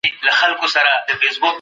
هغه څوک چي څېړنه کوي، باید رښتینی وي.